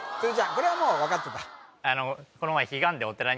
これはもう分かってた？